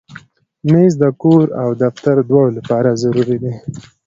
مېز د کور او دفتر دواړو لپاره ضروري دی.